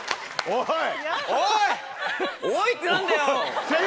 おい！